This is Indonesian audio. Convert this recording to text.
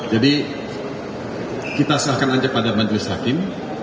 jadi kita serahkan saja pada majulis hakim